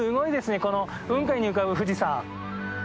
この雲海に浮かぶ富士山。